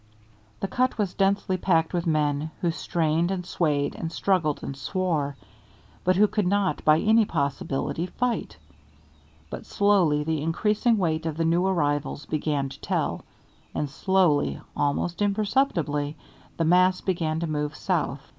The cut was densely packed with men who strained and swayed and struggled and swore, but who could not by any possibility fight. But slowly the increasing weight of the new arrivals began to tell, and slowly, almost imperceptibly, the mass began to move south.